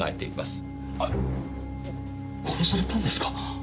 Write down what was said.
えっ殺されたんですか？